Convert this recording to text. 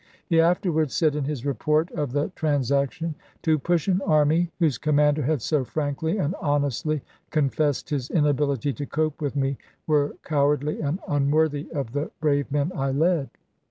He afterwards said in his report of the transaction : "To push an army whose commander had so frankly and honestly confessed his inability to cope with me were cowardly and unworthy of the brave men I led."